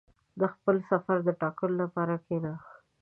• د خپل سفر د ټاکلو لپاره کښېنه.